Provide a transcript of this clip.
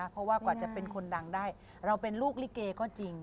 เพราะว่ากว่าจะเป็นคนดังได้เราเป็นลูกลิเกก็จริง